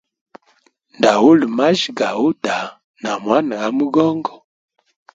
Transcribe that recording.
Ndauli majya gauta na mwana amogongo.